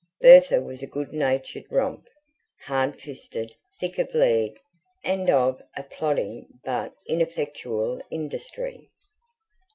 Bertha was a good natured romp, hard fisted, thick of leg, and of a plodding but ineffectual industry.